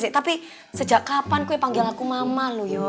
tapi sejak kapan kamu panggil aku mama